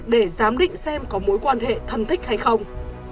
để giám định xem có mối quan hệ thân thích hay không